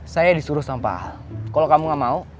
saya disuruh sampah kalau kamu gak mau